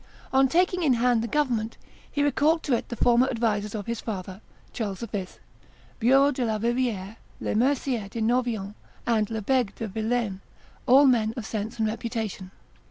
On taking in hand the government, he recalled to it the former advisers of his father, Charles V., Bureau de la Riviere, Le Mercier de Noviant, and Le Begue de Vilaine, all men of sense and reputation.